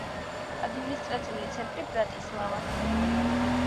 ადმინისტრაციული ცენტრი ბრატისლავა.